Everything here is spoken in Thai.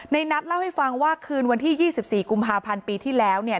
นัทเล่าให้ฟังว่าคืนวันที่๒๔กุมภาพันธ์ปีที่แล้วเนี่ย